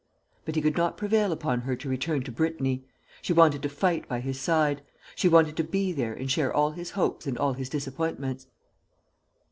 But he could not prevail upon her to return to Brittany. She wanted to fight by his side. She wanted to be there and share all his hopes and all his disappointments.